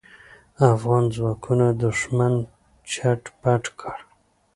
افغان ځواکونو دوښمن چټ پټ کړ.